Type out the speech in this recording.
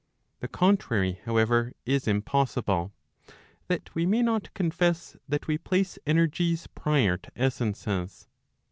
The contrary however is impossible, that we may not confess that we place energies prior to essences.